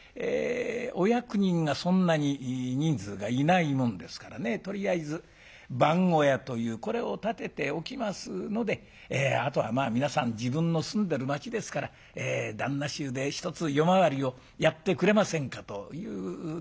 お役人がそんなに人数がいないもんですからねとりあえず番小屋というこれを建てておきますのであとは皆さん自分の住んでる町ですから旦那衆で一つ夜回りをやってくれませんかという流れになるわけでございます。